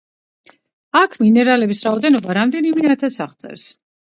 აქ მინერალების რაოდენობა რამდენიმე ათასს აღწევს.